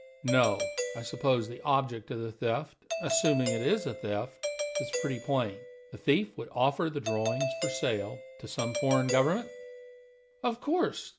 "No. I suppose the object of the theft assuming it is a theft is pretty plain: the thief would offer the drawings for sale to some foreign government?" "Of course.